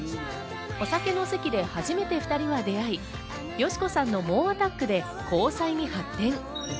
お酒の席で初めて２人は出会い、佳子さんの猛アタックで交際に発展。